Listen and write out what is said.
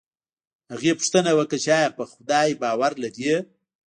هغې پوښتنه وکړه چې ایا په خدای باور لرې